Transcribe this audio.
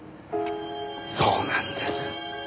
そうなんです。